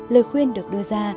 lời khuyên được đưa ra